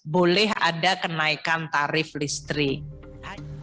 boleh ada kenaikan tarif listrik